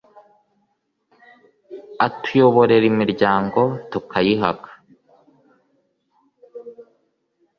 atuyoborera imiryango, tukayihaka